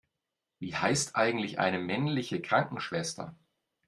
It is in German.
Wie heißt eigentlich eine männliche Krankenschwester?